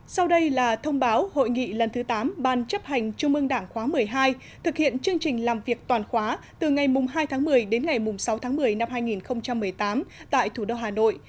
sau đây là thông báo hội nghị lần thứ tám ban chấp hành trung ương đảng khóa một mươi hai thực hiện chương trình làm việc toàn khóa từ ngày hai tháng một mươi đến ngày sáu tháng một mươi năm hai nghìn một mươi tám tại thủ đô hà nội